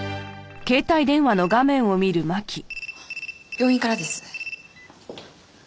病院からです。